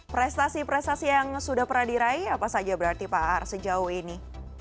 prestasi prestasi yang sudah pernah diraih apa saja berarti pak ar sejauh ini